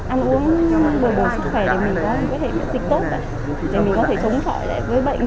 ăn uống bồi bồi sức khỏe để mình có thể bị dịch tốt để mình có thể chống chọi lại với bệnh